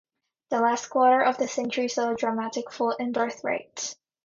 The last quarter of the century saw a dramatic fall in birth rates.